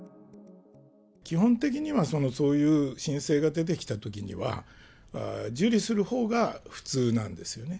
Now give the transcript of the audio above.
基本的には、そういう申請が出てきたときには、受理するほうが普通なんですよね。